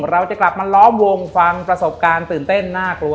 เราจะกลับมาล้อมวงฟังประสบการณ์ตื่นเต้นน่ากลัว